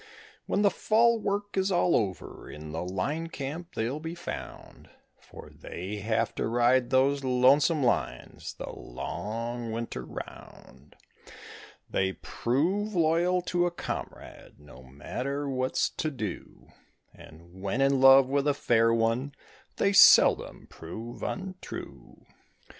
When the fall work is all over in the line camp they'll be found, For they have to ride those lonesome lines the long winter round; They prove loyal to a comrade, no matter what's to do; And when in love with a fair one they seldom prove untrue.